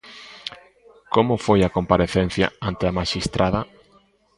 Como foi a comparecencia ante a maxistrada?